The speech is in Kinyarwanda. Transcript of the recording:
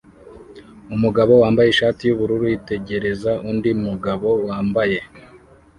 Umugabo wambaye ishati yubururu yitegereza undi mugabo wambaye